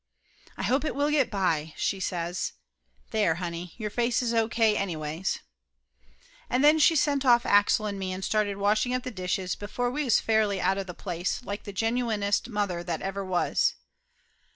"I hope it will get by," she says. "There, honey, your face is O. K. anyways !" And then she sent off Axel and me and started washing up the dishes before we was fairly out of the place like the genuinest mother that ever was.